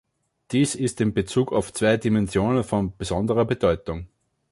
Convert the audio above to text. Dies ist in bezug auf zwei Dimensionen von besonderer Bedeutung.